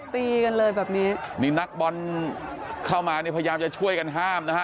ตีกันเลยแบบนี้นี่นักบอลเข้ามาเนี่ยพยายามจะช่วยกันห้ามนะฮะ